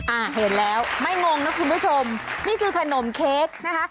อ่าเห็นแล้วไม่งงนะคุณผู้ชมนี่คือขนมเค้กนะคะ